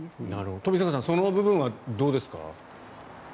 冨坂さんその部分はどうですか？